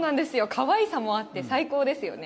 かわいさもあって最高ですよね。